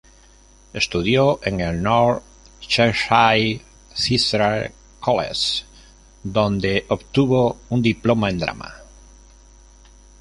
Estudió en el North Cheshire Theatre College donde obtuvo un diploma en drama.